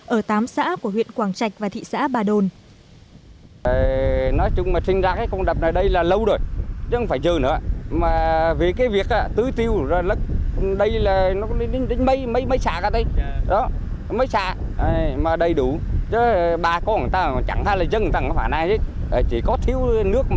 ở tám xã của huyện quảng trạch và thị xã bà đồn